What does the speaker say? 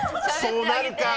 そうなるか。